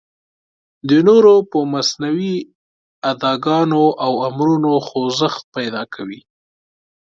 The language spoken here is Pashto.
د نورو په مصنوعي اداګانو او امرونو خوځښت پیدا کوي.